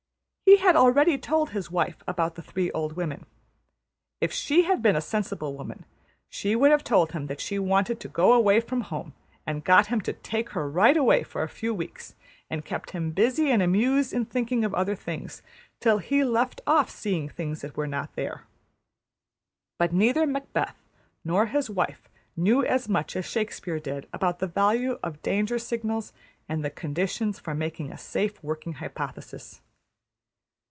He had already told his wife about the three old women. If she had been a sensible woman, she would have told him that she wanted to go away from home; and got him to take her right away for a few weeks; and kept him busy and amused in thinking of other things; till he left off seeing things that were not there. But neither Macbeth nor his wife knew as much as Shakespeare did about the value of danger signals and the conditions for making a safe working hypothesis.